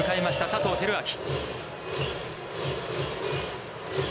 佐藤輝明。